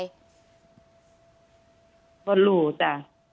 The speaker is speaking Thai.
คิดว่ารู้จ้ะ